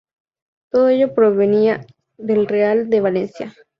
Todo ello provenía del Real de Valencia.